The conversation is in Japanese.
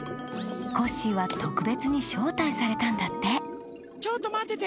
コッシーはとくべつにしょうたいされたんだってちょっとまってて。